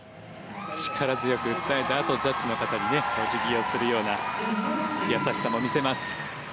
力強く訴えたあとジャッジの方にお辞儀をするような優しさも見せます。